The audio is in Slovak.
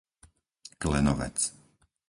Klenovec